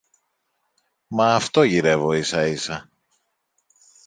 Μα αυτό γυρεύω ίσα-ίσα